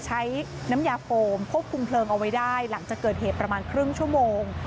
ใช้น้ำยาโฟมควบคุมเพลิงเอาไว้ได้หลังจากเกิดเหตุประมาณครึ่งชั่วโมง